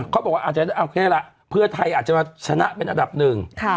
เขาบอกว่าเพื่อไทยอาจจะมาชนะเป็นอัดับหนึ่ง